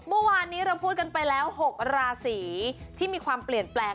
เมื่อวานนี้เราพูดกันไปแล้ว๖ราศีที่มีความเปลี่ยนแปลง